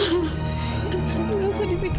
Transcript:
nggak usah dipikirin lagi ya